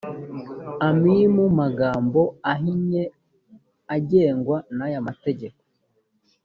a m i mu magambo ahinnye ugengwa n’aya mategeko